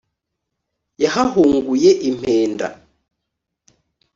Yahahunguye impenda*,